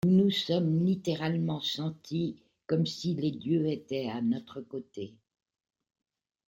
Nous nous sommes littéralement sentis comme si les Dieux étaient à notre côté.